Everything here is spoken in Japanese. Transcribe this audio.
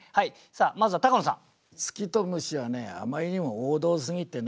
まずは高野さん。